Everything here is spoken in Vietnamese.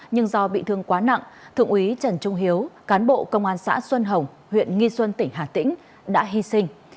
nhưng do bị thương quá nặng thượng úy trần trung hiếu cán bộ công an xã xuân hồng huyện nghi xuân tỉnh hà tĩnh đã hy sinh